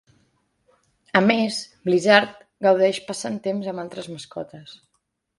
A més, Blizzard gaudeix passant temps amb altres mascotes.